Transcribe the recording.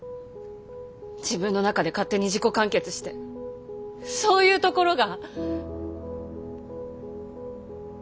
自分の中で勝手に自己完結してそういうところが。